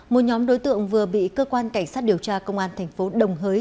một nhóm đối tượng vừa bị cơ quan cảnh sát điều tra công an thành phố đồng hới